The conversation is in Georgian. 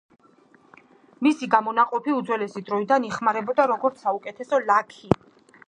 მისი გამონაყოფი უძველესი დროიდან იხმარებოდა როგორც საუკეთესო ლაქი.